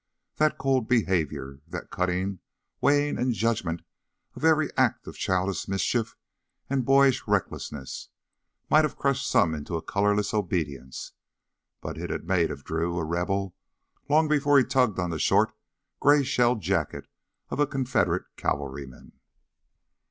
That cold behavior the cutting, weighing, and judgment of every act of childish mischief and boyish recklessness might have crushed some into a colorless obedience. But it had made of Drew a rebel long before he tugged on the short gray shell jacket of a Confederate cavalryman.